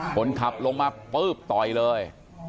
คนขับลงมาปุ๊บต่อยเลย